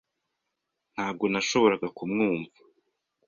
Ntabwo nashoboraga kumwumva.